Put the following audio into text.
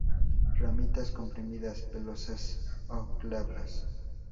Ramitas comprimidas, pelosas o glabras.